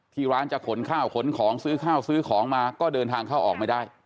ที่ร้านจะขนข้าวขนของซื้อข้าวซื้อของมาก็เดินทางเข้าออกไม่ได้